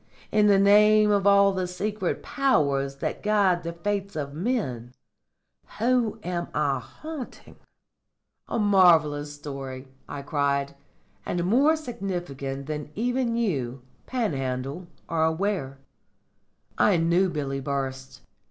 In the name of all the secret Powers that guide the fates of men whom am I haunting?'" "A marvellous story," I cried; "and more significant than even you, Panhandle, are aware. I knew Billy Burst.